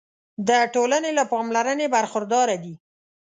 د ټولنې له پاملرنې برخورداره دي.